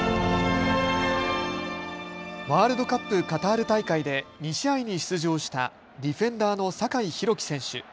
ワールドカップカタール大会で２試合に出場したディフェンダーの酒井宏樹選手。